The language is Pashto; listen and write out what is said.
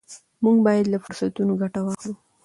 موږ باید له فرصتونو ګټه واخلو.